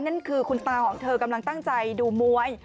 นั่นคือคุณตาของเธอกำลังตั้งใจดูมวย